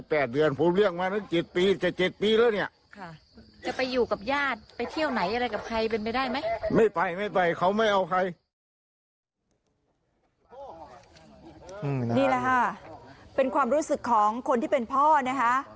เป็นความรู้สึกของคนที่เป็นพ่อนะคะ